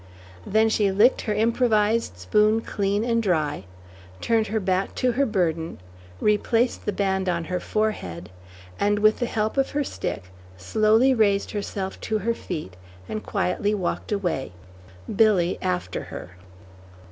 Then she licked her improvised spoon clean and dry; turned her back to her burden; replaced the band on her forehead; and with the help of her stick, slowly raised herself to her feet and quietly walked away, Billy after her.